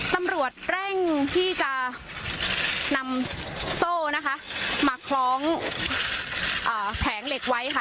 ตำรวจเร่งที่จะนำโซ่นะคะมาคล้องแผงเหล็กไว้ค่ะ